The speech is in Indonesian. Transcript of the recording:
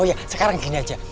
oh ya sekarang gini aja